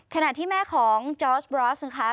ขณะที่แม่ของจอร์สบรอสนะคะ